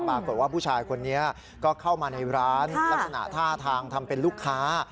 ปรากฏว่าผู้ชายคนนี้ก็เข้ามาในร้านลักษณะท่าทางทำเป็นลูกค้า